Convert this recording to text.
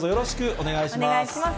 お願いします。